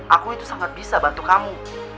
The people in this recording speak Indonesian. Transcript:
aku itu sangat bisa bantu kamu